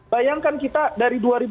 bayangkan kita dari dua ribu dua